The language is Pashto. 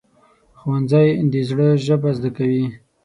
ښوونځی د زړه ژبه زده کوي